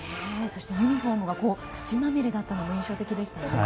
そしてユニホームが土まみれだったのも印象的でしたよね。